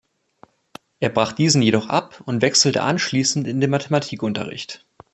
Er brach diesen jedoch ab und wechselte anschließend in den Mathematikunterricht.